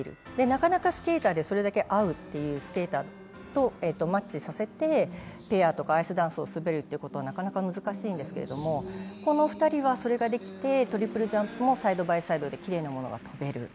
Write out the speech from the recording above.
なかなかスケーターでそれだけ合うスケーターとマッチさせてペアとかアイスダンスを滑るということはなかなか難しいんですけれども、この２人はそれができて、トリプルジャンプもサイドバイサイドできれいなものが跳べる。